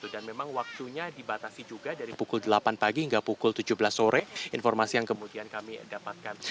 dan memang waktunya dibatasi juga dari pukul delapan pagi hingga pukul tujuh belas sore informasi yang kemudian kami dapatkan